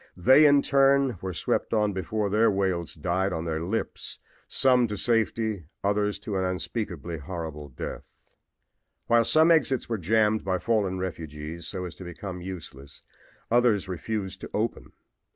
They in turn were swept on before their wails died on their lips some to safety, others to an unspeakably horrible death. While some exits were jammed by fallen refugees so as to become useless, others refused to open.